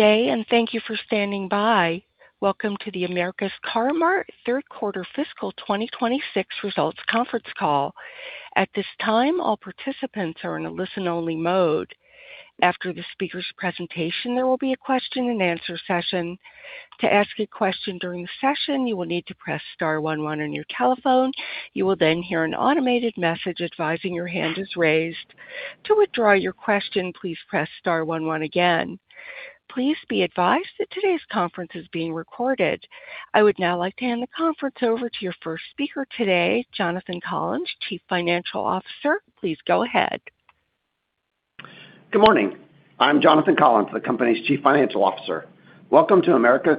Day, and thank you for standing by. Welcome to the America's Car-Mart third quarter fiscal 2026 results conference call. At this time, all participants are in a listen-only mode. After the speaker's presentation, there will be a question-and-answer session. To ask a question during the session, you will need to press star one one on your telephone. You will then hear an automated message advising your hand is raised. To withdraw your question, please press star one one again. Please be advised that today's conference is being recorded. I would now like to hand the conference over to your first speaker today, Jonathan Collins, Chief Financial Officer. Please go ahead. Good morning. I'm Jonathan Collins, the company's Chief Financial Officer. Welcome to America's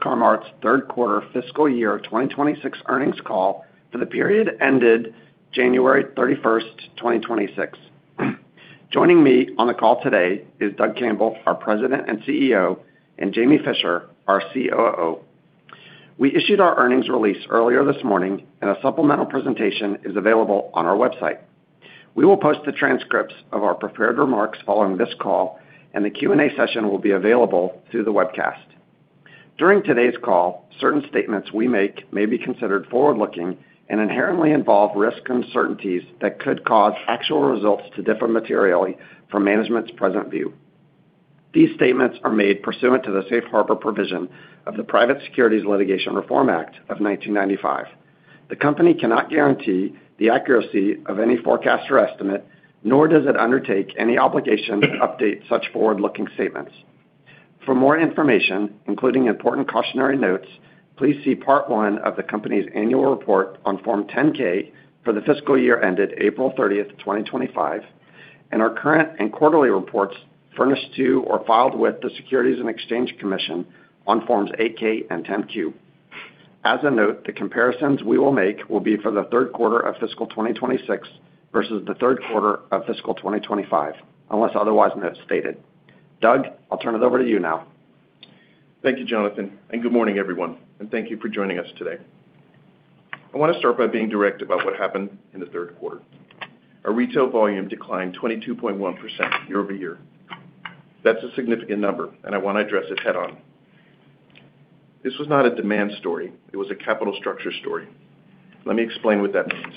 Car-Mart's third quarter fiscal year 2026 earnings call for the period ended January 31, 2026. Joining me on the call today is Doug Campbell, our President and CEO, and Jamie Fischer, our COO. We issued our earnings release earlier this morning and a supplemental presentation is available on our website. We will post the transcripts of our prepared remarks following this call and the Q&A session will be available through the webcast. During today's call, certain statements we make may be considered forward-looking and inherently involve risks and uncertainties that could cause actual results to differ materially from management's present view. These statements are made pursuant to the Safe Harbor provision of the Private Securities Litigation Reform Act of 1995. The company cannot guarantee the accuracy of any forecast or estimate, nor does it undertake any obligation to update such forward-looking statements. For more information, including important cautionary notes, please see part one of the company's annual report on Form 10-K for the fiscal year ended April 30, 2025. And our current and quarterly reports furnished to or filed with the Securities and Exchange Commission on Forms 8-K and 10-Q. As a note, the comparisons we will make will be for the third quarter of fiscal 2026 versus the third quarter of fiscal 2025, unless otherwise stated. Doug, I'll turn it over to you now. Thank you, Jonathan, and good morning, everyone, and thank you for joining us today. I want to start by being direct about what happened in the third quarter. Our retail volume declined 22.1% year-over-year. That's a significant number, and I want to address it head-on. This was not a demand story, it was a capital structure story. Let me explain what that means.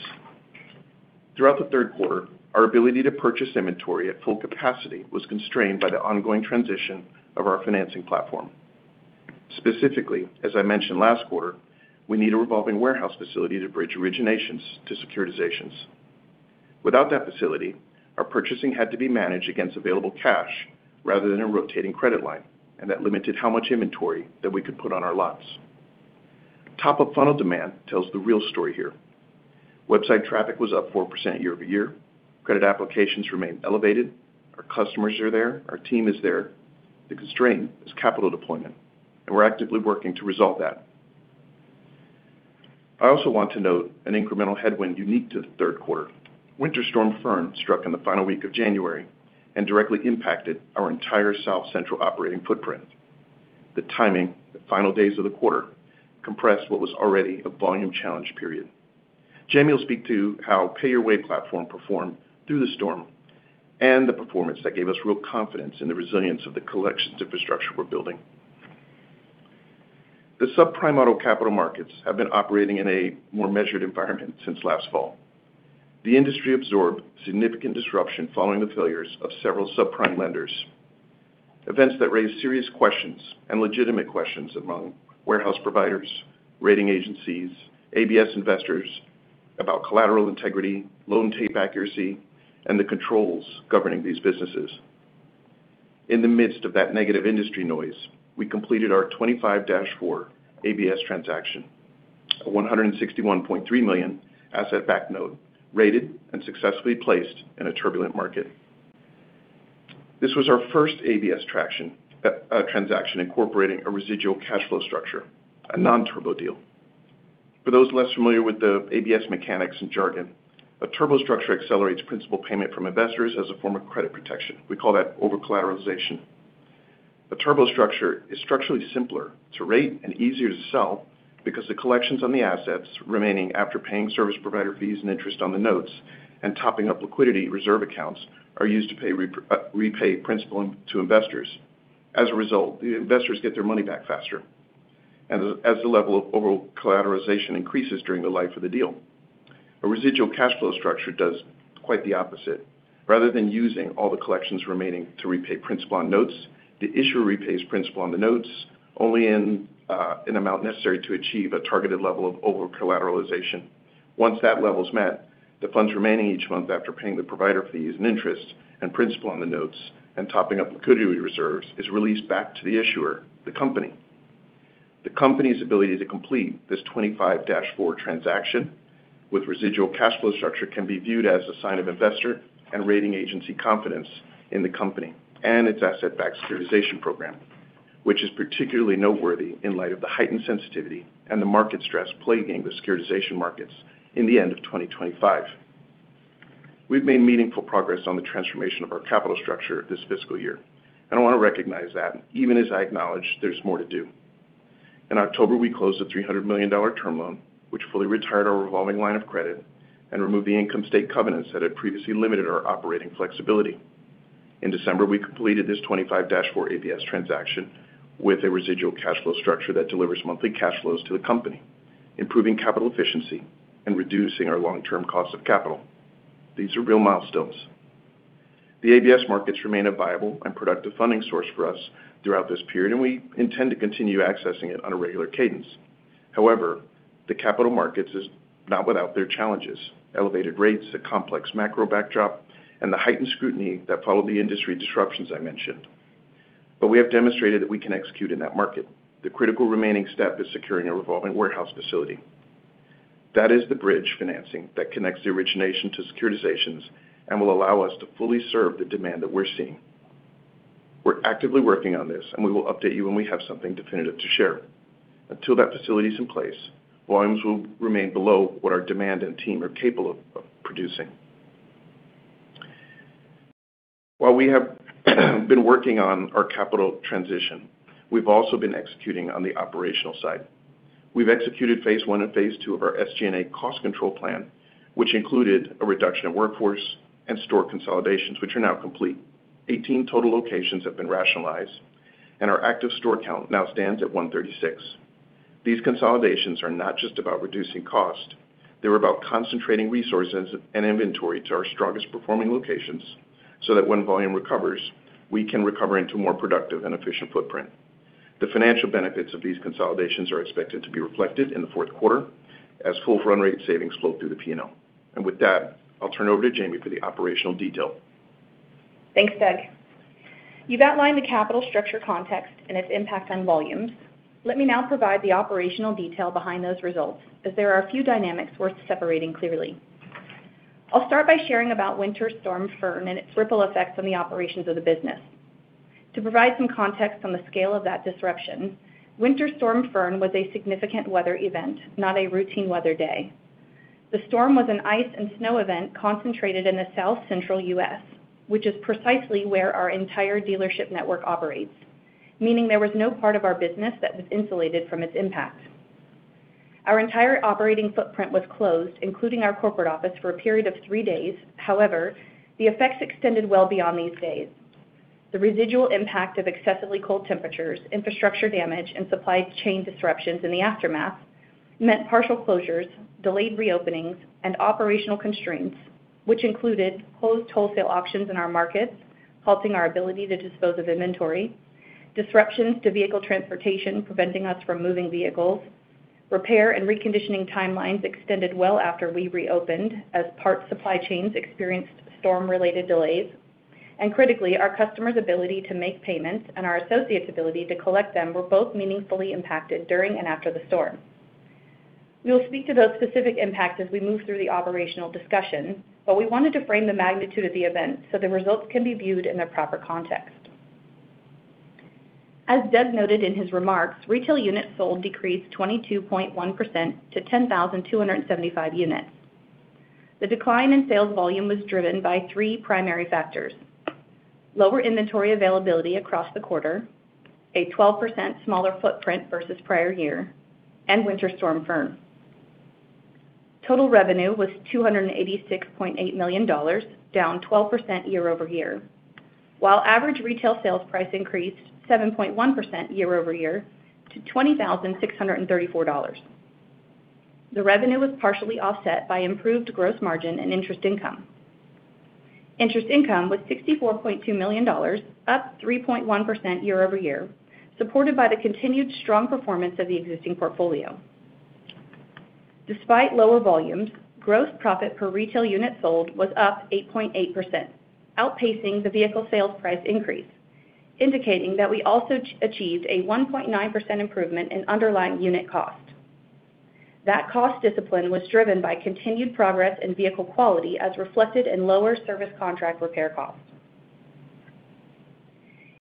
Throughout the third quarter, our ability to purchase inventory at full capacity was constrained by the ongoing transition of our financing platform. Specifically, as I mentioned last quarter, we need a revolving warehouse facility to bridge originations to securitizations. Without that facility, our purchasing had to be managed against available cash rather than a revolving credit line, and that limited how much inventory that we could put on our lots. Top-of-funnel demand tells the real story here. Website traffic was up 4% year-over-year. Credit applications remain elevated. Our customers are there. Our team is there. The constraint is capital deployment, and we're actively working to resolve that. I also want to note an incremental headwind unique to the third quarter. Winter Storm Fern struck in the final week of January and directly impacted our entire South Central operating footprint. The timing, the final days of the quarter, compressed what was already a volume-challenged period. Jamie will speak to how Pay Your Way platform performed through the storm and the performance that gave us real confidence in the resilience of the collections infrastructure we're building. The subprime auto capital markets have been operating in a more measured environment since last fall. The industry absorbed significant disruption following the failures of several subprime lenders, events that raised serious questions and legitimate questions among warehouse providers, rating agencies, ABS investors about collateral integrity, loan tape accuracy, and the controls governing these businesses. In the midst of that negative industry noise, we completed our 2025-4 ABS transaction, a $161.3 million asset-backed note rated and successfully placed in a turbulent market. This was our first ABS transaction incorporating a residual cash flow structure, a non-turbo deal. For those less familiar with the ABS mechanics and jargon, a turbo structure accelerates principal payment from investors as a form of credit protection. We call that overcollateralization. A turbo structure is structurally simpler to rate and easier to sell because the collections on the assets remaining after paying service provider fees and interest on the notes and topping up liquidity reserve accounts are used to repay principal to investors. As a result, the investors get their money back faster as the level of overall collateralization increases during the life of the deal. A residual cash flow structure does quite the opposite. Rather than using all the collections remaining to repay principal on notes, the issuer repays principal on the notes only in an amount necessary to achieve a targeted level of overcollateralization. Once that level is met, the funds remaining each month after paying the provider fees and interest and principal on the notes and topping up liquidity reserves is released back to the issuer, the company. The company's ability to complete this 2025-4 transaction with residual cash flow structure can be viewed as a sign of investor and rating agency confidence in the company and its asset-backed securitization program, which is particularly noteworthy in light of the heightened sensitivity and the market stress plaguing the securitization markets in the end of 2025. We've made meaningful progress on the transformation of our capital structure this fiscal year, and I want to recognize that even as I acknowledge there's more to do. In October, we closed a $300 million term loan, which fully retired our revolving line of credit and removed the income statement covenants that had previously limited our operating flexibility. In December, we completed this 2025-4 ABS transaction with a residual cash flow structure that delivers monthly cash flows to the company, improving capital efficiency and reducing our long-term cost of capital. These are real milestones. The ABS markets remain a viable and productive funding source for us throughout this period, and we intend to continue accessing it on a regular cadence. However, the capital markets is not without their challenges, elevated rates, a complex macro backdrop, and the heightened scrutiny that followed the industry disruptions I mentioned. We have demonstrated that we can execute in that market. The critical remaining step is securing a revolving warehouse facility. That is the bridge financing that connects the origination to securitizations and will allow us to fully serve the demand that we're seeing. We're actively working on this, and we will update you when we have something definitive to share. Until that facility is in place, volumes will remain below what our demand and team are capable of producing. While we have been working on our capital transition, we've also been executing on the operational side. We've executed phase one and phase two of our SG&A cost control plan, which included a reduction in workforce and store consolidations, which are now complete. 18 total locations have been rationalized, and our active store count now stands at 136. These consolidations are not just about reducing cost, they were about concentrating resources and inventory to our strongest performing locations so that when volume recovers, we can recover into a more productive and efficient footprint. The financial benefits of these consolidations are expected to be reflected in the fourth quarter as full run rate savings flow through the P&L. With that, I'll turn it over to Jamie for the operational detail. Thanks, Doug. You've outlined the capital structure context and its impact on volumes. Let me now provide the operational detail behind those results, as there are a few dynamics worth separating clearly. I'll start by sharing about Winter Storm Fern and its ripple effects on the operations of the business. To provide some context on the scale of that disruption, Winter Storm Fern was a significant weather event, not a routine weather day. The storm was an ice and snow event concentrated in the South Central U.S., which is precisely where our entire dealership network operates, meaning there was no part of our business that was insulated from its impact. Our entire operating footprint was closed, including our corporate office, for a period of three days. However, the effects extended well beyond these days. The residual impact of excessively cold temperatures, infrastructure damage, and supply chain disruptions in the aftermath meant partial closures, delayed reopenings, and operational constraints, which included closed wholesale auctions in our markets, halting our ability to dispose of inventory, disruptions to vehicle transportation preventing us from moving vehicles. Repair and reconditioning timelines extended well after we reopened as parts supply chains experienced storm-related delays. Critically, our customers' ability to make payments and our associates' ability to collect them were both meaningfully impacted during and after the storm. We will speak to those specific impacts as we move through the operational discussion, but we wanted to frame the magnitude of the event so the results can be viewed in their proper context. As Doug noted in his remarks, retail units sold decreased 22.1% to 10,275 units. The decline in sales volume was driven by three primary factors, lower inventory availability across the quarter, a 12% smaller footprint versus prior year, and Winter Storm Fern. Total revenue was $286.8 million, down 12% year over year, while average retail sales price increased 7.1% year over year to $20,634. The revenue was partially offset by improved gross margin and interest income. Interest income was $64.2 million, up 3.1% year over year, supported by the continued strong performance of the existing portfolio. Despite lower volumes, gross profit per retail unit sold was up 8.8%, outpacing the vehicle sales price increase, indicating that we also achieved a 1.9% improvement in underlying unit cost. That cost discipline was driven by continued progress in vehicle quality as reflected in lower service contract repair costs.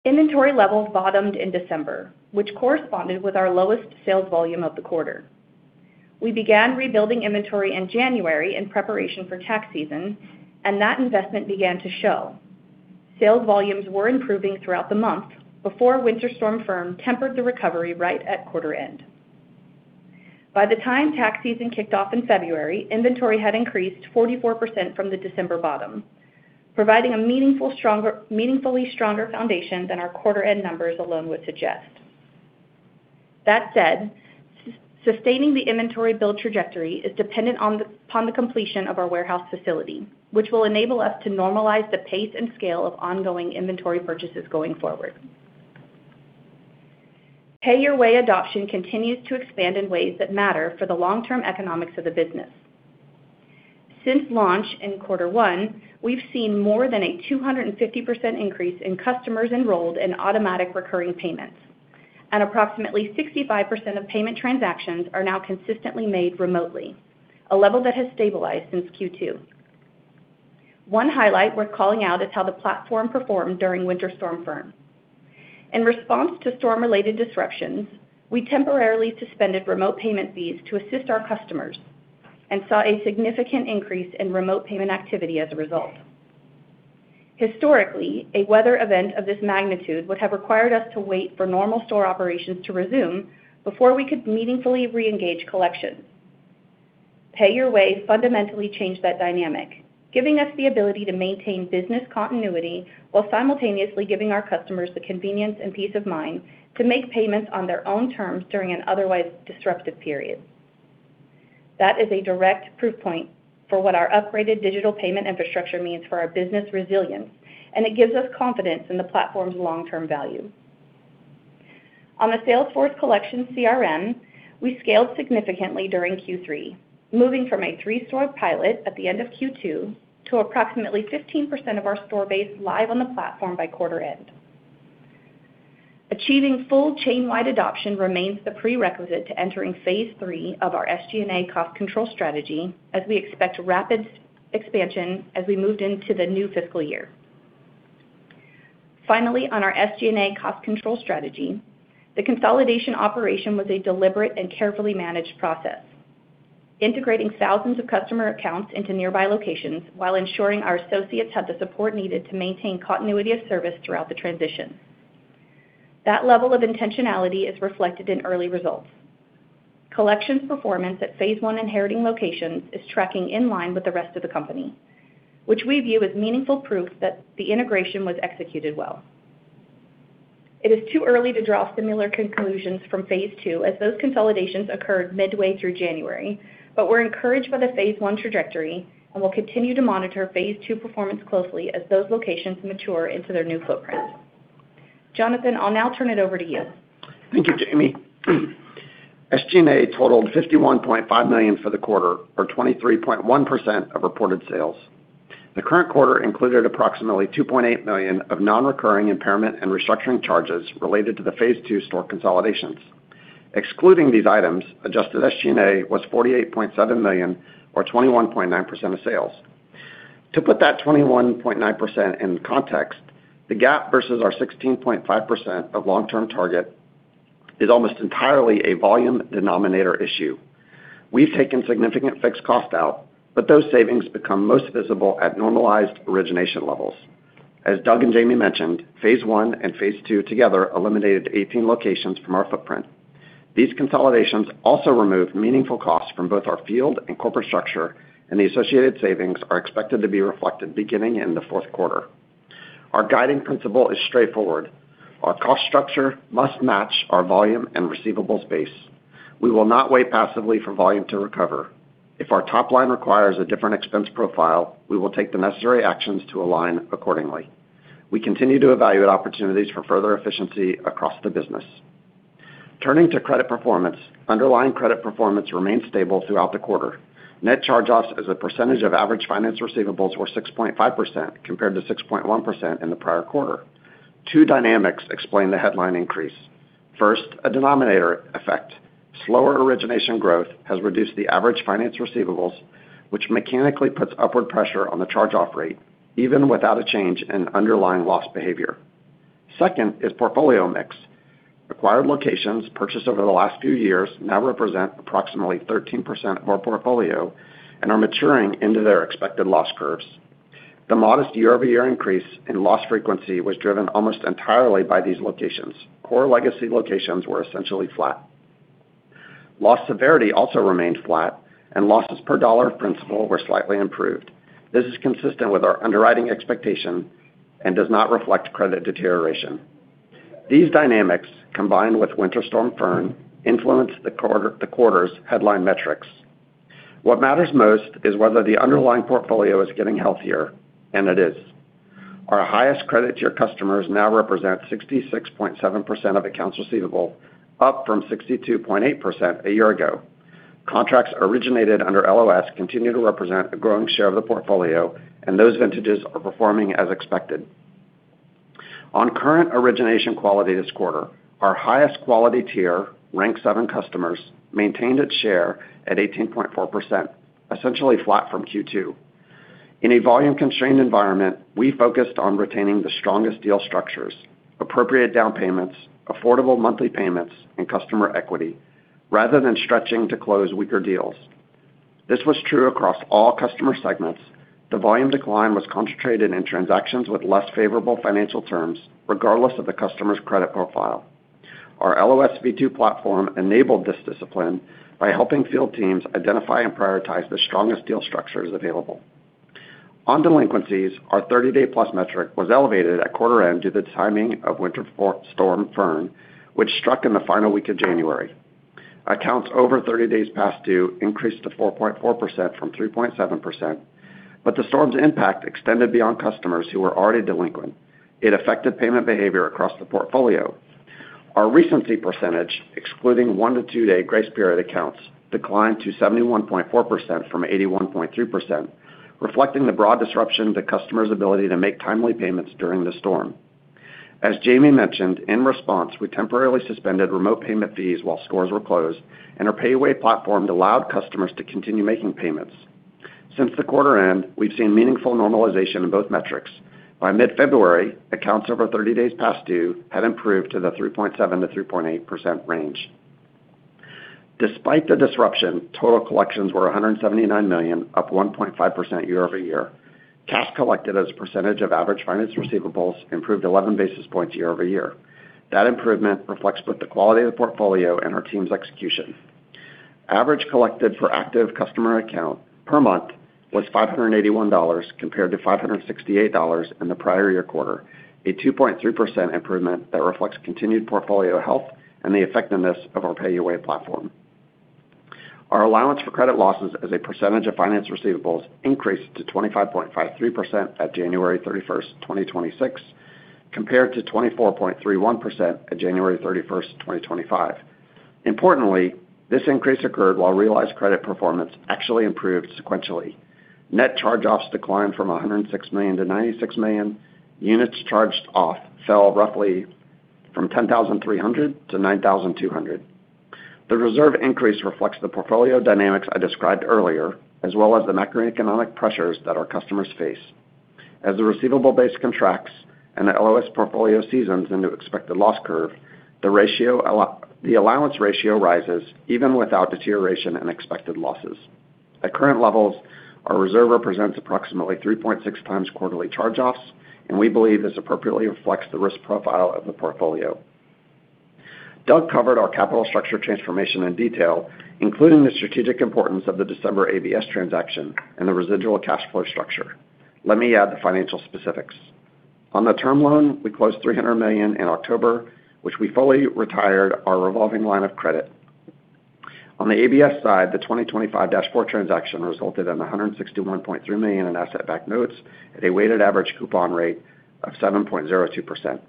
Inventory levels bottomed in December, which corresponded with our lowest sales volume of the quarter. We began rebuilding inventory in January in preparation for tax season, and that investment began to show. Sales volumes were improving throughout the month before Winter Storm Fern tempered the recovery right at quarter end. By the time tax season kicked off in February, inventory had increased 44% from the December bottom, providing a meaningfully stronger foundation than our quarter end numbers alone would suggest. That said, sustaining the inventory build trajectory is dependent upon the completion of our warehouse facility, which will enable us to normalize the pace and scale of ongoing inventory purchases going forward. Pay Your Way adoption continues to expand in ways that matter for the long-term economics of the business. Since launch in quarter one, we've seen more than a 250% increase in customers enrolled in automatic recurring payments, and approximately 65% of payment transactions are now consistently made remotely, a level that has stabilized since Q2. One highlight worth calling out is how the platform performed during Winter Storm Fern. In response to storm-related disruptions, we temporarily suspended remote payment fees to assist our customers and saw a significant increase in remote payment activity as a result. Historically, a weather event of this magnitude would have required us to wait for normal store operations to resume before we could meaningfully reengage collections. Pay Your Way fundamentally changed that dynamic, giving us the ability to maintain business continuity while simultaneously giving our customers the convenience and peace of mind to make payments on their own terms during an otherwise disruptive period. That is a direct proof point for what our upgraded digital payment infrastructure means for our business resilience, and it gives us confidence in the platform's long-term value. On the Salesforce collection CRM, we scaled significantly during Q3, moving from a three-store pilot at the end of Q2 to approximately 15% of our store base live on the platform by quarter end. Achieving full chain-wide adoption remains the prerequisite to entering phase three of our SG&A cost control strategy, as we expect rapid expansion as we moved into the new fiscal year. Finally, on our SG&A cost control strategy, the consolidation operation was a deliberate and carefully managed process, integrating thousands of customer accounts into nearby locations while ensuring our associates had the support needed to maintain continuity of service throughout the transition. That level of intentionality is reflected in early results. Collections performance at phase one inheriting locations is tracking in line with the rest of the company, which we view as meaningful proof that the integration was executed well. It is too early to draw similar conclusions from phase two, as those consolidations occurred midway through January. We're encouraged by the phase one trajectory and will continue to monitor phase two performance closely as those locations mature into their new footprint. Jonathan, I'll now turn it over to you. Thank you, Jamie. SG&A totaled $51.5 million for the quarter, or 23.1% of reported sales. The current quarter included approximately $2.8 million of non-recurring impairment and restructuring charges related to the phase two store consolidations. Excluding these items, adjusted SG&A was $48.7 million or 21.9% of sales. To put that 21.9% in context, the GAAP versus our 16.5% of long-term target is almost entirely a volume denominator issue. We've taken significant fixed cost out, but those savings become most visible at normalized origination levels. As Doug and Jamie mentioned, phase one and phase two together eliminated 18 locations from our footprint. These consolidations also removed meaningful costs from both our field and corporate structure, and the associated savings are expected to be reflected beginning in the fourth quarter. Our guiding principle is straightforward. Our cost structure must match our volume and receivables base. We will not wait passively for volume to recover. If our top line requires a different expense profile, we will take the necessary actions to align accordingly. We continue to evaluate opportunities for further efficiency across the business. Turning to credit performance. Underlying credit performance remained stable throughout the quarter. Net charge-offs as a percentage of average finance receivables were 6.5%, compared to 6.1% in the prior quarter. Two dynamics explain the headline increase. First, a denominator effect. Slower origination growth has reduced the average finance receivables, which mechanically puts upward pressure on the charge-off rate, even without a change in underlying loss behavior. Second is portfolio mix. Acquired locations purchased over the last few years now represent approximately 13% of our portfolio and are maturing into their expected loss curves. The modest year-over-year increase in loss frequency was driven almost entirely by these locations. Core legacy locations were essentially flat. Loss severity also remained flat, and losses per dollar of principal were slightly improved. This is consistent with our underwriting expectation and does not reflect credit deterioration. These dynamics, combined with Winter Storm Fern, influenced the quarter, the quarter's headline metrics. What matters most is whether the underlying portfolio is getting healthier, and it is. Our highest credit tier customers now represent 66.7% of accounts receivable, up from 62.8% a year ago. Contracts originated under LOS continue to represent a growing share of the portfolio, and those vintages are performing as expected. On current origination quality this quarter, our highest quality tier, Rank seven customers, maintained its share at 18.4%, essentially flat from Q2. In a volume-constrained environment, we focused on retaining the strongest deal structures, appropriate down payments, affordable monthly payments, and customer equity rather than stretching to close weaker deals. This was true across all customer segments. The volume decline was concentrated in transactions with less favorable financial terms, regardless of the customer's credit profile. Our LOS V2 platform enabled this discipline by helping field teams identify and prioritize the strongest deal structures available. On delinquencies, our 30-day-plus metric was elevated at quarter end due to the timing of Winter Storm Fern, which struck in the final week of January. Accounts over 30 days past due increased to 4.4% from 3.7%, but the storm's impact extended beyond customers who were already delinquent. It affected payment behavior across the portfolio. Our recency percentage, excluding one to two day grace period accounts, declined to 71.4% from 81.3%, reflecting the broad disruption to customers' ability to make timely payments during the storm. As Jamie mentioned, in response, we temporarily suspended remote payment fees while stores were closed, and our Pay Your Way platform allowed customers to continue making payments. Since the quarter end, we've seen meaningful normalization in both metrics. By mid-February, accounts over 30 days past due had improved to the 3.7%-3.8% range. Despite the disruption, total collections were $179 million, up 1.5% year-over-year. Cash collected as a percentage of average finance receivables improved 11 basis points year-over-year. That improvement reflects both the quality of the portfolio and our team's execution. Average collected per active customer account per month was $581 compared to $568 in the prior-year quarter, a 2.3% improvement that reflects continued portfolio health and the effectiveness of our Pay Your Way platform. Our allowance for credit losses as a percentage of finance receivables increased to 25.53% at January 31, 2026, compared to 24.31% at January 31, 2025. Importantly, this increase occurred while realized credit performance actually improved sequentially. Net charge-offs declined from $106 million to $96 million. Units charged off fell roughly from 10,300 to 9,200. The reserve increase reflects the portfolio dynamics I described earlier, as well as the macroeconomic pressures that our customers face. As the receivable base contracts and the LOS portfolio seasons into expected loss curve, the allowance ratio rises even without deterioration and expected losses. At current levels, our reserve represents approximately 3.6 times quarterly charge-offs, and we believe this appropriately reflects the risk profile of the portfolio. Doug covered our capital structure transformation in detail, including the strategic importance of the December ABS transaction and the residual cash flow structure. Let me add the financial specifics. On the term loan, we closed $300 million in October, which we fully retired our revolving line of credit. On the ABS side, the 2025-4 transaction resulted in $161.3 million in asset-backed notes at a weighted average coupon rate of 7.02%.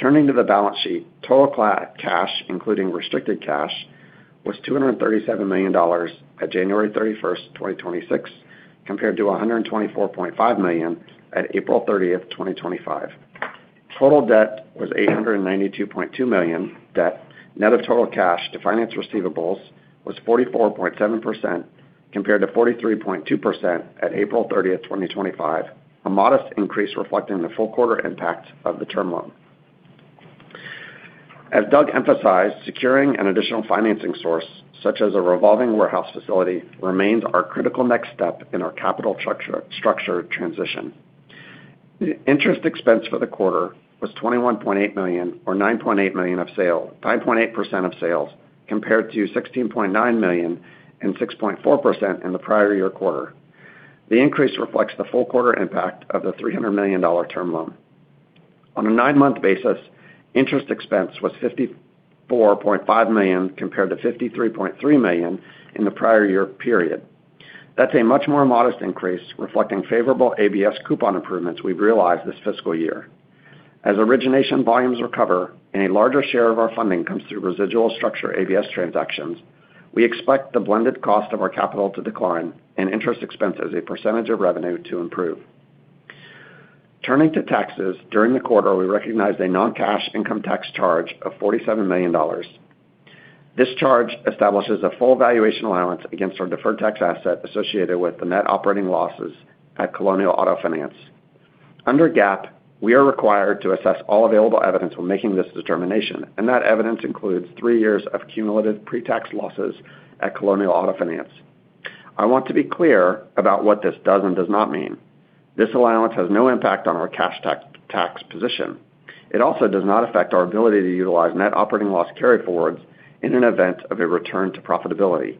Turning to the balance sheet, total cash, including restricted cash, was $237 million at January 31, 2026, compared to $124.5 million at April 30, 2025. Total debt was $892.2 million debt. Net of total cash to finance receivables was 44.7% compared to 43.2% at April 30, 2025, a modest increase reflecting the full quarter impact of the term loan. As Doug emphasized, securing an additional financing source, such as a revolving warehouse facility, remains our critical next step in our capital structure transition. Interest expense for the quarter was $21.8 million, or 5.8% of sales compared to $16.9 million and 6.4% in the prior year quarter. The increase reflects the full quarter impact of the $300 million term loan. On a nine-month basis, interest expense was $54.5 million compared to $53.3 million in the prior year period. That's a much more modest increase reflecting favorable ABS coupon improvements we've realized this fiscal year. As origination volumes recover and a larger share of our funding comes through residual structure ABS transactions, we expect the blended cost of our capital to decline and interest expense as a percentage of revenue to improve. Turning to taxes, during the quarter, we recognized a non-cash income tax charge of $47 million. This charge establishes a full valuation allowance against our deferred tax asset associated with the net operating losses at Colonial Auto Finance. Under GAAP, we are required to assess all available evidence when making this determination, and that evidence includes three years of cumulative pre-tax losses at Colonial Auto Finance. I want to be clear about what this does and does not mean. This allowance has no impact on our cash tax position. It also does not affect our ability to utilize net operating loss carryforwards in an event of a return to profitability.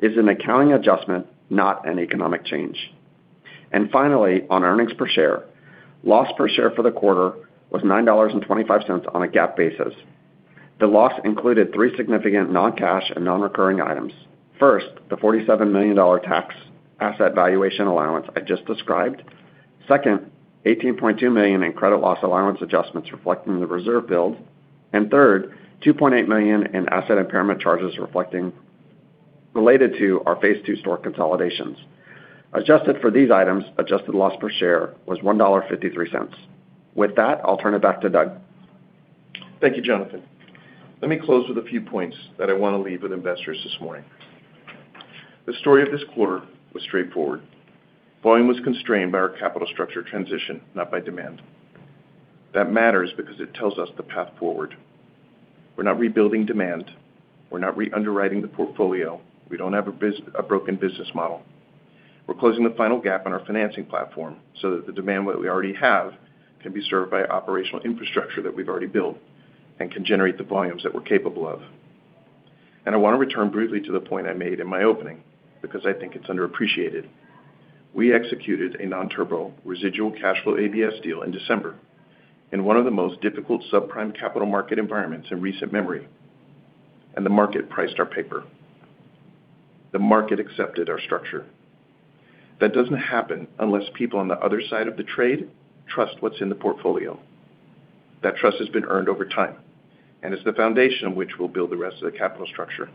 It's an accounting adjustment, not an economic change. Finally, on earnings per share, loss per share for the quarter was $9.25 on a GAAP basis. The loss included three significant non-cash and non-recurring items. First, the $47 million tax asset valuation allowance I just described. Second, $18.2 million in credit loss allowance adjustments reflecting the reserve build. Third, $2.8 million in asset impairment charges reflecting related to our phase two store consolidations. Adjusted for these items, adjusted loss per share was $1.53. With that, I'll turn it back to Doug. Thank you, Jonathan. Let me close with a few points that I want to leave with investors this morning. The story of this quarter was straightforward. Volume was constrained by our capital structure transition, not by demand. That matters because it tells us the path forward. We're not rebuilding demand. We're not re-underwriting the portfolio. We don't have a broken business model. We're closing the final gap on our financing platform so that the demand that we already have can be served by operational infrastructure that we've already built and can generate the volumes that we're capable of. I want to return briefly to the point I made in my opening because I think it's underappreciated. We executed a non-turbo residual cash flow ABS deal in December in one of the most difficult subprime capital market environments in recent memory, and the market priced our paper. The market accepted our structure. That doesn't happen unless people on the other side of the trade trust what's in the portfolio. That trust has been earned over time and is the foundation on which we'll build the rest of the capital structure.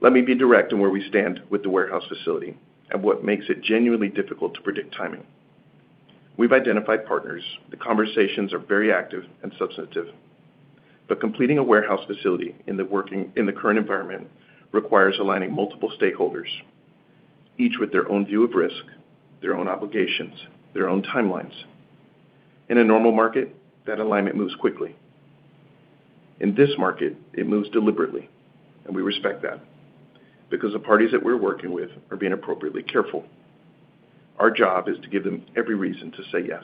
Let me be direct on where we stand with the warehouse facility and what makes it genuinely difficult to predict timing. We've identified partners. The conversations are very active and substantive. Completing a warehouse facility in the current environment requires aligning multiple stakeholders, each with their own view of risk, their own obligations, their own timelines. In a normal market, that alignment moves quickly. In this market, it moves deliberately, and we respect that because the parties that we're working with are being appropriately careful. Our job is to give them every reason to say yes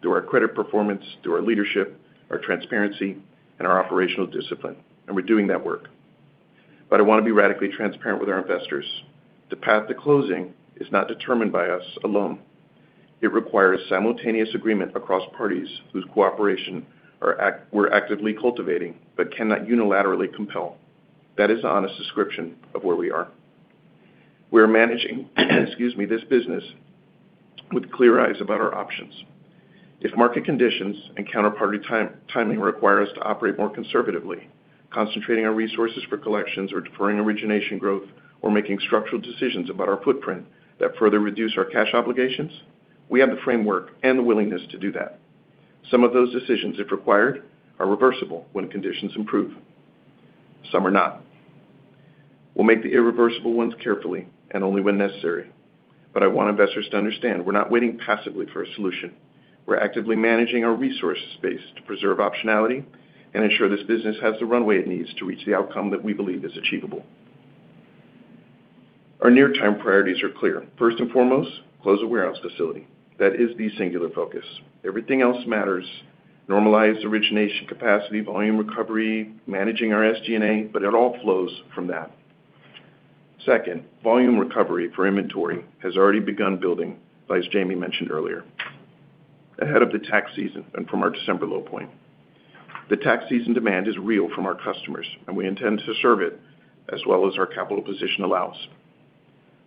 through our credit performance, through our leadership, our transparency, and our operational discipline, and we're doing that work. I want to be radically transparent with our investors. The path to closing is not determined by us alone. It requires simultaneous agreement across parties we're actively cultivating, but cannot unilaterally compel. That is an honest description of where we are. We are managing, excuse me, this business with clear eyes about our options. If market conditions and counterparty timing require us to operate more conservatively, concentrating our resources for collections or deferring origination growth or making structural decisions about our footprint that further reduce our cash obligations, we have the framework and the willingness to do that. Some of those decisions, if required, are reversible when conditions improve. Some are not. We'll make the irreversible ones carefully and only when necessary. I want investors to understand we're not waiting passively for a solution. We're actively managing our resource space to preserve optionality and ensure this business has the runway it needs to reach the outcome that we believe is achievable. Our near-term priorities are clear. First and foremost, close the warehouse facility. That is the singular focus. Everything else matters, normalized origination capacity, volume recovery, managing our SG&A, but it all flows from that. Second, volume recovery for inventory has already begun building, as Jamie mentioned earlier, ahead of the tax season and from our December low point. The tax season demand is real from our customers, and we intend to serve it as well as our capital position allows.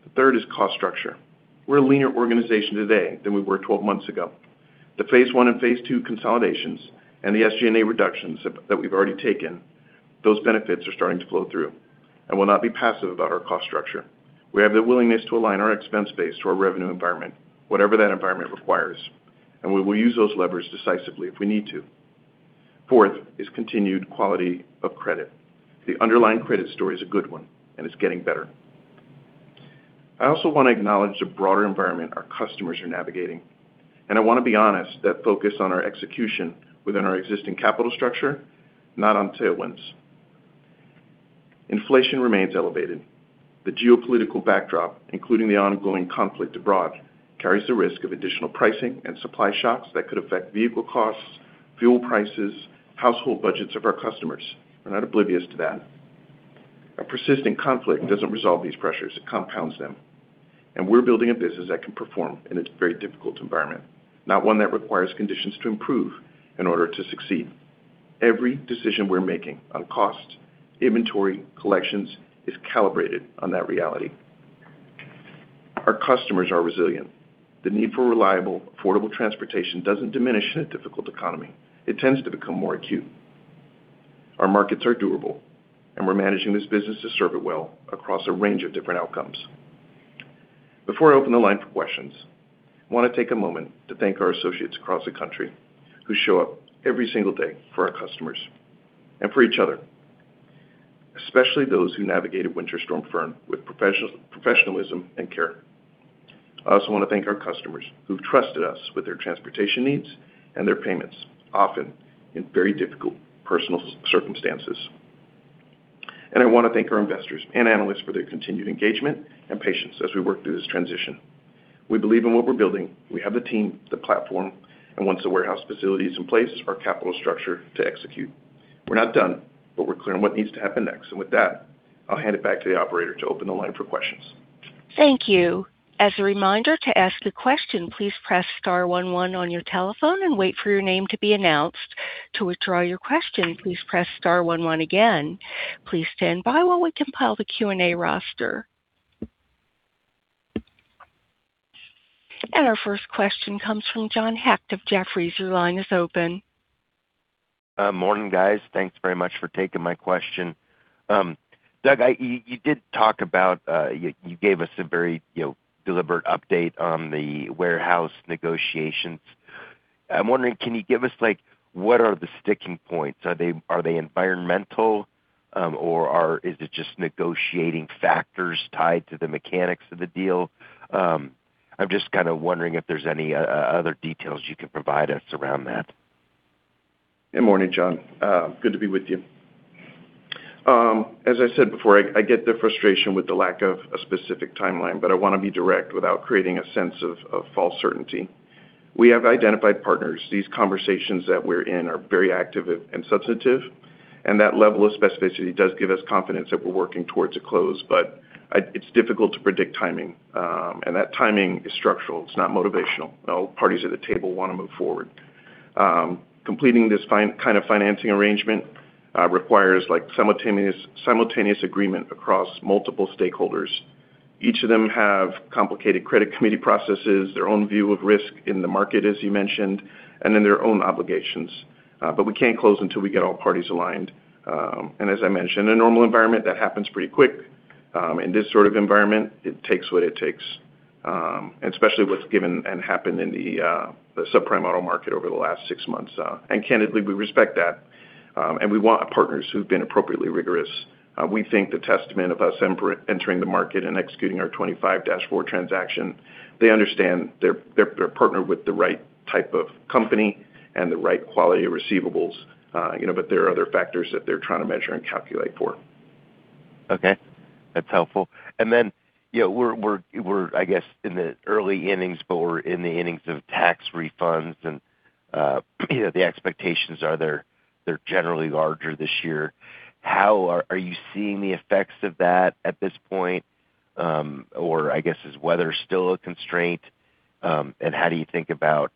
The third is cost structure. We're a leaner organization today than we were 12 months ago. The phase one and phase two consolidations and the SG&A reductions that we've already taken, those benefits are starting to flow through. We'll not be passive about our cost structure. We have the willingness to align our expense base to our revenue environment, whatever that environment requires, and we will use those levers decisively if we need to. Fourth is continued quality of credit. The underlying credit story is a good one, and it's getting better. I also want to acknowledge the broader environment our customers are navigating, and I want to be honest that focus on our execution within our existing capital structure, not on tailwinds. Inflation remains elevated. The geopolitical backdrop, including the ongoing conflict abroad, carries the risk of additional pricing and supply shocks that could affect vehicle costs, fuel prices, household budgets of our customers. We're not oblivious to that. A persistent conflict doesn't resolve these pressures, it compounds them. We're building a business that can perform in a very difficult environment, not one that requires conditions to improve in order to succeed. Every decision we're making on cost, inventory, collections is calibrated on that reality. Our customers are resilient. The need for reliable, affordable transportation doesn't diminish in a difficult economy. It tends to become more acute. Our markets are durable, and we're managing this business to serve it well across a range of different outcomes. Before I open the line for questions, I want to take a moment to thank our associates across the country who show up every single day for our customers and for each other, especially those who navigated Winter Storm Fern with professionalism and care. I also want to thank our customers who've trusted us with their transportation needs and their payments, often in very difficult personal circumstances. I want to thank our investors and analysts for their continued engagement and patience as we work through this transition. We believe in what we're building. We have the team, the platform, and once the warehouse facility is in place, our capital structure to execute. We're not done, but we're clear on what needs to happen next. With that, I'll hand it back to the operator to open the line for questions. Thank you. As a reminder to ask a question, please press star one one on your telephone and wait for your name to be announced. To withdraw your question, please press star one one again. Please stand by while we compile the Q&A roster. Our first question comes from John Hecht of Jefferies. Your line is open. Morning, guys. Thanks very much for taking my question. Doug, you did talk about you gave us a very deliberate update on the warehouse negotiations. I'm wondering, can you give us, like, what are the sticking points? Are they environmental, or is it just negotiating factors tied to the mechanics of the deal? I'm just kinda wondering if there's any other details you can provide us around that. Good morning, John. Good to be with you. As I said before, I get the frustration with the lack of a specific timeline, but I want to be direct without creating a sense of false certainty. We have identified partners. These conversations that we're in are very active and substantive, and that level of specificity does give us confidence that we're working towards a close. But it's difficult to predict timing, and that timing is structural. It's not motivational. All parties at the table wanna move forward. Completing this kind of financing arrangement requires simultaneous agreement across multiple stakeholders. Each of them have complicated credit committee processes, their own view of risk in the market, as you mentioned, and then their own obligations. But we can't close until we get all parties aligned. As I mentioned, in a normal environment, that happens pretty quick. In this sort of environment, it takes what it takes, and especially what's given and happened in the subprime auto market over the last six months. Candidly, we respect that, and we want partners who've been appropriately rigorous. We think the testament of us entering the market and executing our 2025-4 transaction, they understand they're partnered with the right type of company and the right quality of receivables but there are other factors that they're trying to measure and calculate for. Okay. That's helpful. We're I guess in the early innings, but we're in the innings of tax refunds and the expectations are they're generally larger this year. Are you seeing the effects of that at this point? Or I guess, is weather still a constraint? And how do you think about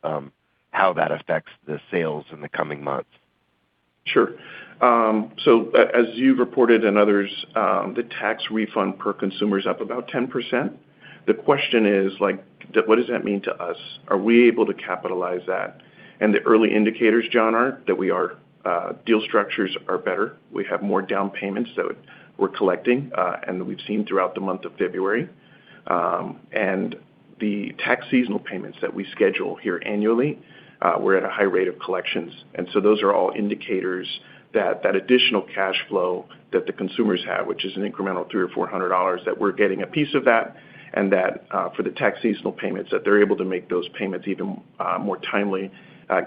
how that affects the sales in the coming months? Sure. So as you've reported and others, the tax refund per consumer is up about 10%. The question is, like, what does that mean to us? Are we able to capitalize that? The early indicators, John, are that we are, deal structures are better. We have more down payments that we're collecting, and that we've seen throughout the month of February. The tax seasonal payments that we schedule here annually, we're at a high rate of collections. So those are all indicators that additional cash flow that the consumers have, which is an incremental $300 or $400, that we're getting a piece of that and that, for the tax seasonal payments, that they're able to make those payments even more timely,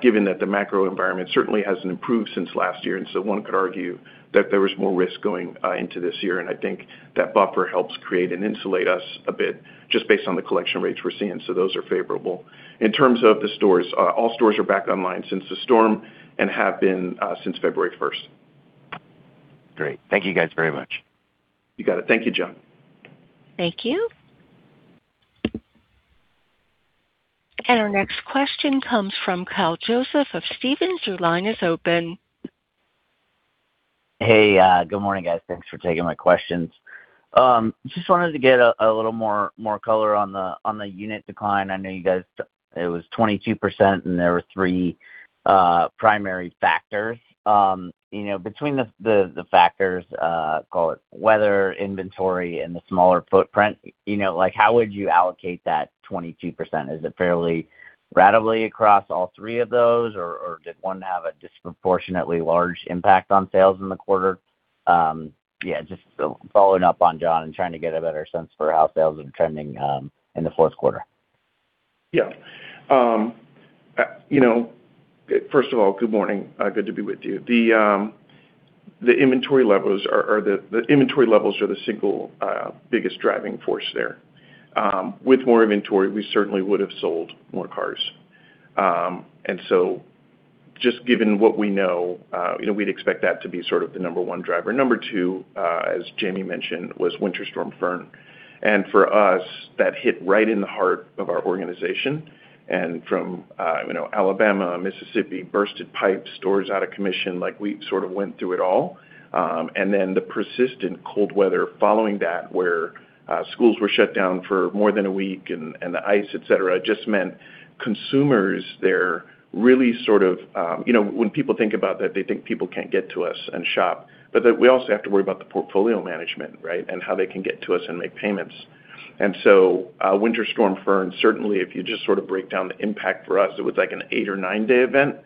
given that the macro environment certainly hasn't improved since last year. One could argue that there was more risk going into this year. I think that buffer helps create and insulate us a bit just based on the collection rates we're seeing. Those are favorable. In terms of the stores, all stores are back online since the storm and have been since February first. Great. Thank you guys very much. You got it. Thank you, John. Thank you. Our next question comes from Kyle Joseph of Stephens. Your line is open. Hey. Good morning, guys. Thanks for taking my questions. Just wanted to get a little more color on the unit decline. I know you guys. It was 22%, and there were three primary factors. Between the factors, call it weather, inventory, and the smaller footprint, like, how would you allocate that 22%? Is it fairly ratably across all three of those, or did one have a disproportionately large impact on sales in the quarter? Yeah, just following up on John and trying to get a better sense for how sales are trending in the fourth quarter. Yeah, first of all, good morning. Good to be with you. The inventory levels are the single biggest driving force there. With more inventory, we certainly would have sold more cars. Just given what we know we'd expect that to be sort of the number one driver. Number two, as Jamie mentioned, was Winter Storm Fern. For us, that hit right in the heart of our organization. From Alabama, Mississippi, burst pipes, stores out of commission, like, we sort of went through it all. Then the persistent cold weather following that, where schools were shut down for more than a week and the ice, et cetera, just meant consumers there really sort of. You know, when people think about that, they think people can't get to us and shop. We also have to worry about the portfolio management, right? How they can get to us and make payments. Winter Storm Fern, certainly if you just sort of break down the impact for us, it was like an eight or nine day event.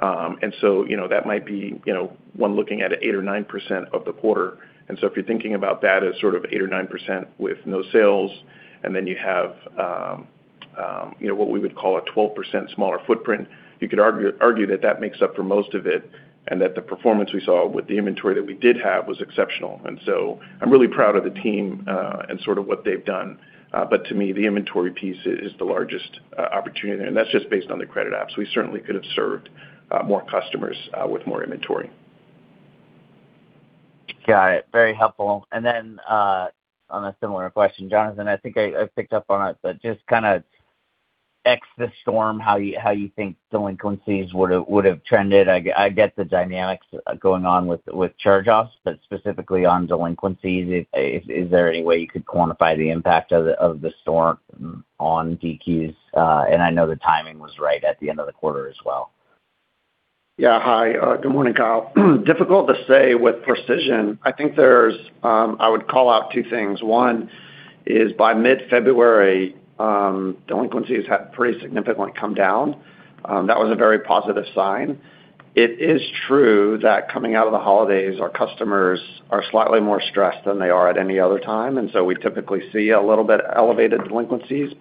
That might be one looking at 8 or 9% of the quarter. If you're thinking about that as sort of 8 or 9% with no sales, and then you have what we would call a 12% smaller footprint, you could argue that that makes up for most of it, and that the performance we saw with the inventory that we did have was exceptional. I'm really proud of the team, and sort of what they've done. To me, the inventory piece is the largest opportunity. That's just based on the credit apps. We certainly could have served more customers with more inventory. Got it. Very helpful. On a similar question, Jonathan, I think I picked up on it, but just kind of absent the storm, how you think delinquencies would have trended. I get the dynamics going on with charge-offs, but specifically on delinquencies, is there any way you could quantify the impact of the storm on DQs? I know the timing was right at the end of the quarter as well. Yeah. Hi. Good morning, Kyle. Difficult to say with precision. I think there's I would call out two things. One is by mid-February, delinquencies had pretty significantly come down. That was a very positive sign. It is true that coming out of the holidays, our customers are slightly more stressed than they are at any other time, and so we typically see a little bit elevated delinquencies.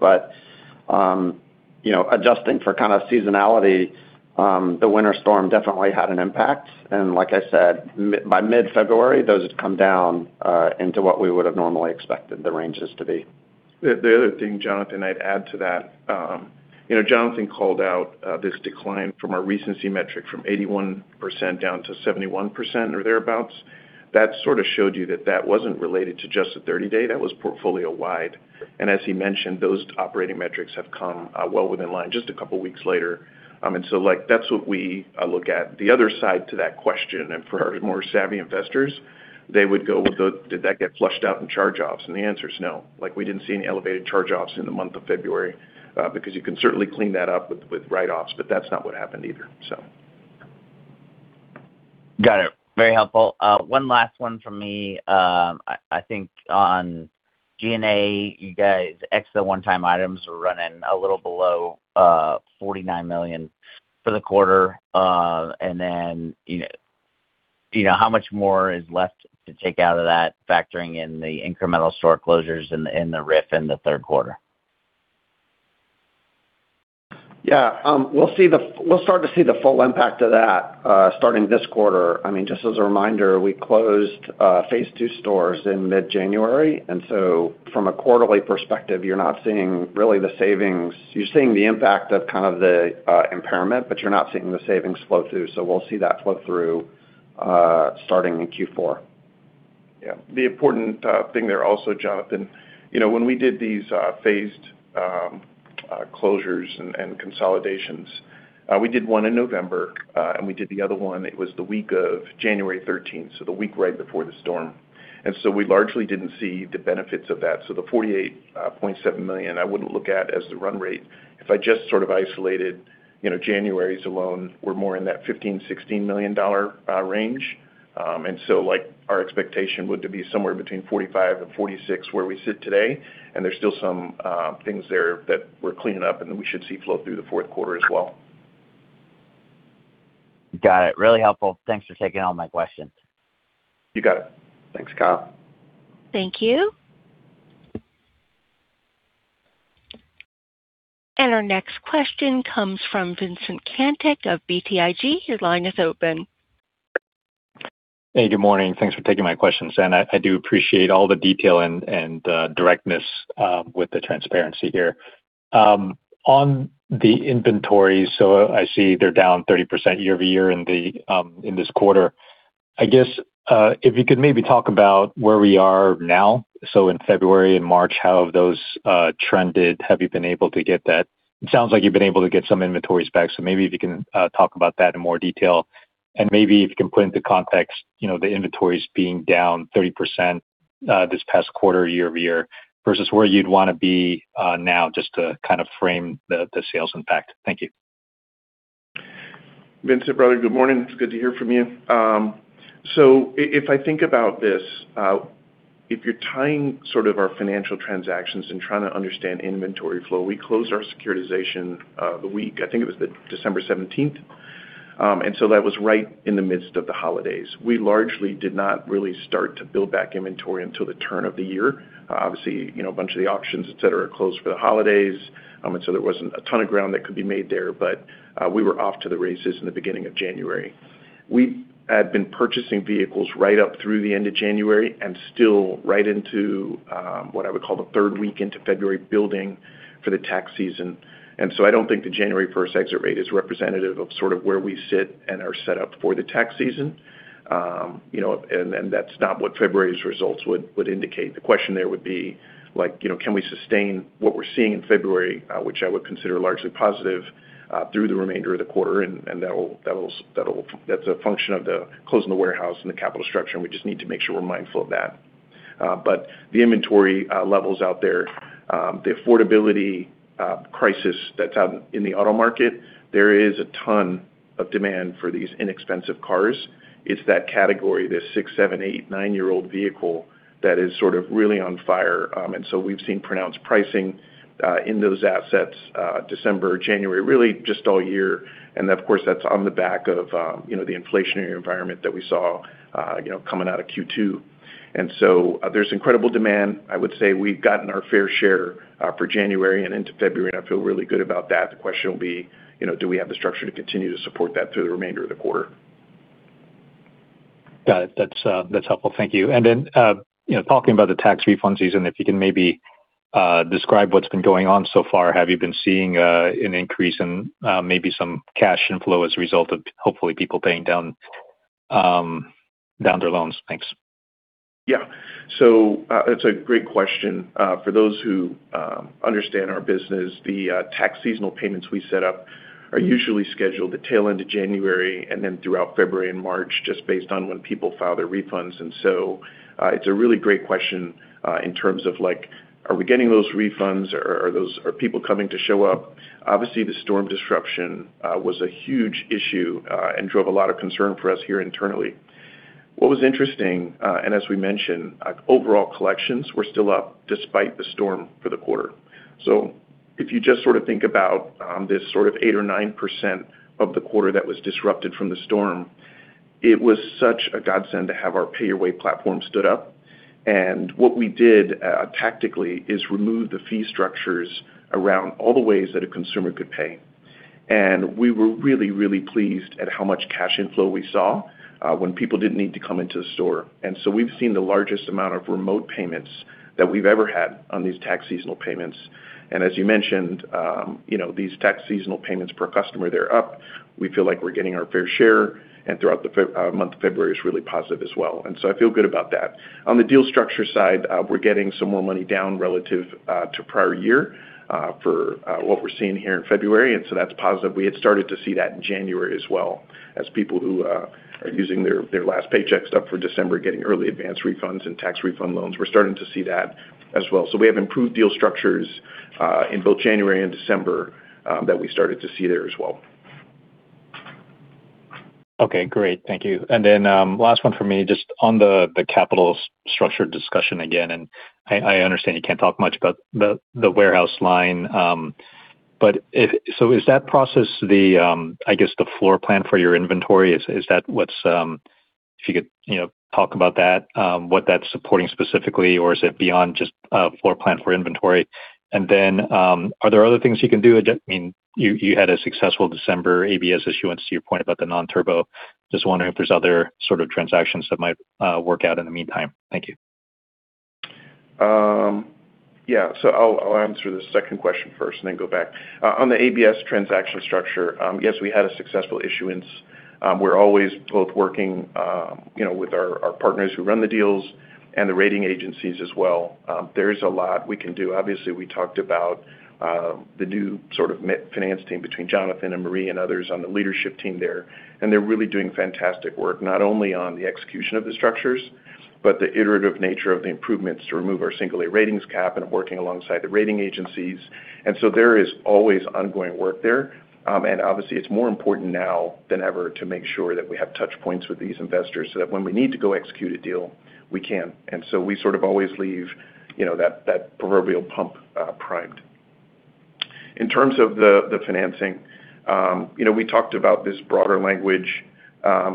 Adjusting for kind of seasonality, the winter storm definitely had an impact. Like I said, by mid-February, those had come down into what we would have normally expected the ranges to be. The other thing, Jonathan, I'd add to that Jonathan called out this decline from our recency metric from 81% down to 71% or thereabouts. That sort of showed you that wasn't related to just the 30-day, that was portfolio-wide. As he mentioned, those operating metrics have come well within line just a couple weeks later. Like, that's what we look at. The other side to that question, and for our more savvy investors, they would go with the, did that get flushed out in charge-offs? The answer is no. Like, we didn't see any elevated charge-offs in the month of February, because you can certainly clean that up with write-offs, but that's not what happened either. Got it. Very helpful. One last one from me. I think on SG&A, you guys, ex the one-time items were running a little below $49 million for the quarter. You know, how much more is left to take out of that factoring in the incremental store closures and the RIF in the third quarter? Yeah. We'll start to see the full impact of that starting this quarter. I mean, just as a reminder, we closed phase two stores in mid-January, and so from a quarterly perspective, you're not seeing really the savings. You're seeing the impact of kind of the impairment, but you're not seeing the savings flow through. We'll see that flow through starting in Q4. Yeah. The important thing there also, Jonathan when we did these phased closures and consolidations, we did one in November, and we did the other one, it was the week of January thirteenth, so the week right before the storm. We largely didn't see the benefits of that. The $48.7 million, I wouldn't look at as the run rate. If I just sort of isolated, you know, January's alone, we're more in that $15-$16 million range. Like, our expectation would to be somewhere between $45-$46 million where we sit today. There's still some things there that we're cleaning up, and then we should see flow through the fourth quarter as well. Got it. Really helpful. Thanks for taking all my questions. You got it. Thanks, Kyle. Thank you. Our next question comes from Vincent Caintic of BTIG. Your line is open. Hey, good morning. Thanks for taking my questions. I do appreciate all the detail and directness with the transparency here. On the inventory, I see they're down 30% year-over-year in this quarter. I guess if you could maybe talk about where we are now, in February and March, how have those trended? Have you been able to get that? It sounds like you've been able to get some inventories back, so maybe if you can talk about that in more detail. Maybe if you can put into context the inventories being down 30% this past quarter year-over-year versus where you'd wanna be now just to kind of frame the sales impact. Thank you. Vincent, brother, good morning. It's good to hear from you. If I think about this, if you're tying sort of our financial transactions and trying to understand inventory flow, we closed our securitization, the week I think it was December seventeenth. That was right in the midst of the holidays. We largely did not really start to build back inventory until the turn of the year. Obviously a bunch of the auctions, et cetera, are closed for the holidays, there wasn't a ton of ground that could be made there. We were off to the races in the beginning of January. We had been purchasing vehicles right up through the end of January and still right into, what I would call the third week into February building for the tax season. I don't think the January first exit rate is representative of sort of where we sit and are set up for the tax season. And then that's not what February's results would indicate. The question there would be like can we sustain what we're seeing in February, which I would consider largely positive, through the remainder of the quarter? That'll. That's a function of closing the warehouse and the capital structure, and we just need to make sure we're mindful of that. The inventory levels out there, the affordability crisis that's out in the auto market, there is a ton of demand for these inexpensive cars. It's that category, the six, seven, eight, nine-year-old vehicle that is sort of really on fire. We've seen pronounced pricing in those assets, December, January, really just all year. Of course, that's on the back of the inflationary environment that we saw coming out of Q2. There's incredible demand. I would say we've gotten our fair share for January and into February, and I feel really good about that. The question will be do we have the structure to continue to support that through the remainder of the quarter? Got it. That's helpful. Thank you. Talking about the tax refund season, if you can maybe describe what's been going on so far. Have you been seeing an increase in maybe some cash inflow as a result of hopefully people paying down their loans? Thanks. Yeah. It's a great question. For those who understand our business, the tax seasonal payments we set up are usually scheduled at tail end of January and then throughout February and March, just based on when people file their refunds. It's a really great question in terms of like, are we getting those refunds or are people coming to show up? Obviously, the storm disruption was a huge issue and drove a lot of concern for us here internally. What was interesting, and as we mentioned, overall collections were still up despite the storm for the quarter. If you just sort of think about this sort of 8%-9% of the quarter that was disrupted from the storm, it was such a godsend to have our Pay Your Way platform stood up. What we did tactically is remove the fee structures around all the ways that a consumer could pay. We were really, really pleased at how much cash inflow we saw when people didn't need to come into the store. We've seen the largest amount of remote payments that we've ever had on these tax seasonal payments. As you mentioned, you know, these tax seasonal payments per customer, they're up. We feel like we're getting our fair share, and throughout the month of February is really positive as well. I feel good about that. On the deal structure side, we're getting some more money down relative to prior year for what we're seeing here in February, and that's positive. We had started to see that in January as well as people who are using their last paychecks up for December, getting early advanced refunds and tax refund loans. We're starting to see that as well. We have improved deal structures in both January and December that we started to see there as well. Okay, great. Thank you. Last one for me, just on the capital structure discussion again, and I understand you can't talk much about the warehouse line, but is that process the floor plan for your inventory? Is that what's, if you could, you know, talk about that, what that's supporting specifically, or is it beyond just floor plan for inventory? Are there other things you can do? I mean, you had a successful December ABS issuance to your point about the non-turbo. Just wondering if there's other sort of transactions that might work out in the meantime. Thank you. Yeah. I'll answer the second question first and then go back. On the ABS transaction structure, yes, we had a successful issuance. We're always both working, you know, with our partners who run the deals and the rating agencies as well. There's a lot we can do. Obviously, we talked about the new sort of finance team between Jonathan and Marie and others on the leadership team there, and they're really doing fantastic work, not only on the execution of the structures, but the iterative nature of the improvements to remove our single-A ratings cap and working alongside the rating agencies. There is always ongoing work there. Obviously, it's more important now than ever to make sure that we have touch points with these investors so that when we need to go execute a deal, we can. We sort of always leave, you know, that proverbial pump primed. In terms of the financing, you know, we talked about this broader language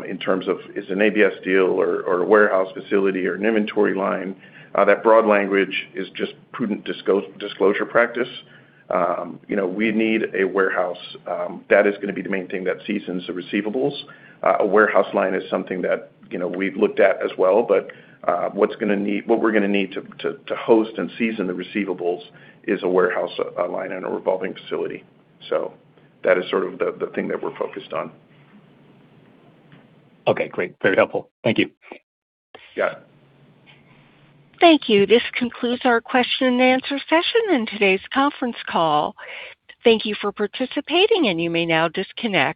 in terms of it's an ABS deal or a warehouse facility or an inventory line. That broad language is just prudent disclosure practice. You know, we need a warehouse that is gonna be the main thing that seasons the receivables. A warehouse line is something that, you know, we've looked at as well, but what we're gonna need to host and season the receivables is a warehouse line and a revolving facility. That is sort of the thing that we're focused on. Okay, great. Very helpful. Thank you. Yeah. Thank you. This concludes our question and answer session in today's conference call. Thank you for participating, and you may now disconnect.